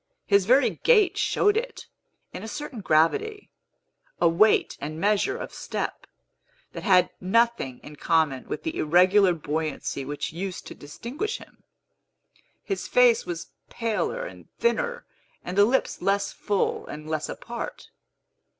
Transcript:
His very gait showed it, in a certain gravity, a weight and measure of step, that had nothing in common with the irregular buoyancy which used to distinguish him. His face was paler and thinner, and the lips less full and less apart.